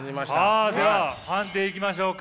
あでは判定いきましょうか。